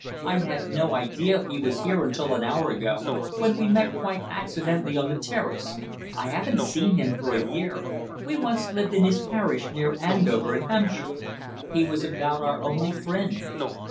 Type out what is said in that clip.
I had no idea he was here until an hour ago, when we met quite accidentally on the terrace. I haven't seen him for a year. We once lived in his parish near Andover, in Hampshire. He was about our only friend."